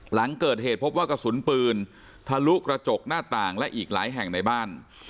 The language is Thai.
หลังเกิดเหตุพบว่ากระสุนปืนทะลุกระจกหน้าต่างและอีกหลายแห่งในบ้าน